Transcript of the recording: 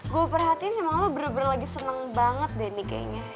gue perhatiin emang lo bener bener lagi seneng banget deh nih kayaknya